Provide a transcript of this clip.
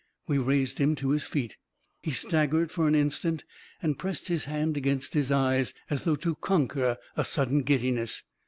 We raised him to his feet He staggered for an instant and pressed his hand against his eyes, as though to conquer a sudden giddiness.